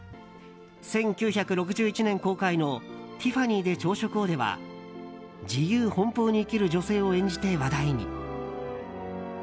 １９６１年公開の「ティファニーで朝食を」では自由奔放に生きる女性を演じて話題に。